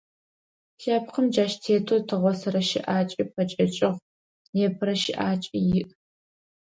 Лъэпкъым джащ тетэу тыгъосэрэ щыӏакӏи пэкӏэкӏыгъ, непэрэ щыӏакӏи иӏ.